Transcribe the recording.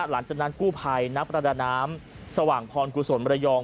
หลังจากนั้นกู้ภัยนักประดาน้ำสว่างพรกุศลมระยอง